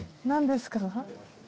何ですか？